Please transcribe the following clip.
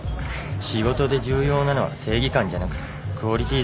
仕事で重要なのは正義感じゃなくてクオリティーだよ。